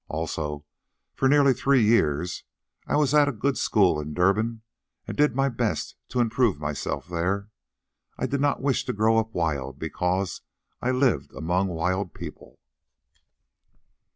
Also, for nearly three years I was at a good school in Durban and did my best to improve myself there. I did not wish to grow up wild because I lived among wild people."